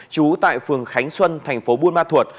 trú tại phường khánh xuân thành phố buôn ma thuột